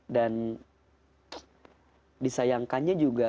dan disayangkannya juga